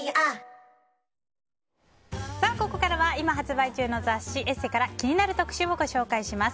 ここからは今発売中の雑誌「ＥＳＳＥ」から気になる特集をご紹介します。